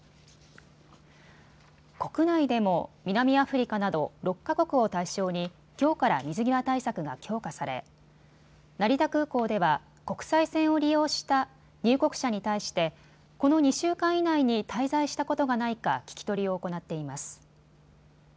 国内でも南アフリカなど６か国を対象にきょうから水際対策が強化され成田空港では国際線を利用した入国者に対してこの２週間以内に滞在したことがないか聞き取りを行っています。